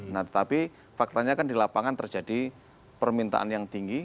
nah tetapi faktanya kan di lapangan terjadi permintaan yang tinggi